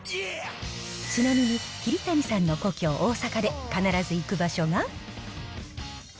ちなみに桐谷さんの故郷、大阪で必ず行く場所が。